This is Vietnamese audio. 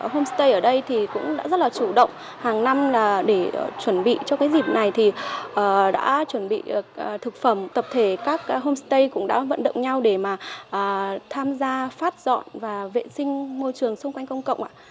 homestay ở đây thì cũng đã rất là chủ động hàng năm là để chuẩn bị cho cái dịp này thì đã chuẩn bị thực phẩm tập thể các homestay cũng đã vận động nhau để mà tham gia phát dọn và vệ sinh môi trường xung quanh công cộng ạ